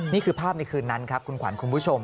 นี่คือภาพในคืนนั้นครับคุณขวัญคุณผู้ชม